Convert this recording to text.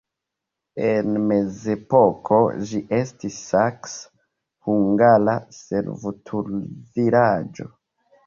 En mezepoko ĝi estis saksa-hungara servutulvilaĝo.